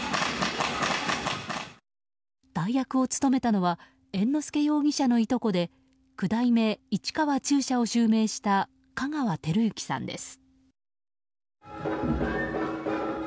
代役を務めたのは猿之助容疑者のいとこで九代目市川中車を襲名した香川照之さんです。